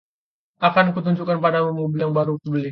Akan ku tunjukkan padamu mobil yang baru aku beli.